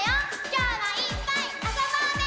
きょうはいっぱいあそぼうね！